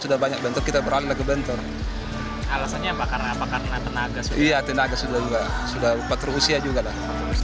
sudah banyak bentuk kita beranak bentor alasannya bakal apa karena tenaga iya tenaga sudah juga sudah